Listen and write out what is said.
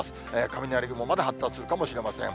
雷雲まで発達するかもしれません。